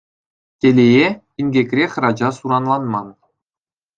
Телее, инкекре хӗрача суранланман.